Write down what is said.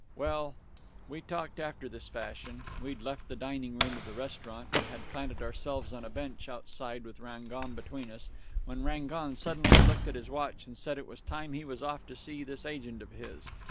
"Well, we talked after this fashion we'd left the dining room of the restaurant and had planted ourselves on a bench outside with Rangon between us when Rangon suddenly looked at his watch and said it was time he was off to see this agent of his.